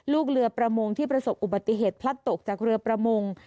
ลูกเรือประมงที่ประสบอุบัติเหตุพลัดตกจากเรือประมง